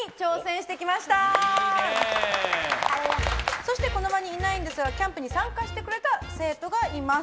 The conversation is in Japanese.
そしてこの場にいないんですがキャンプに参加してくれた生徒がいます。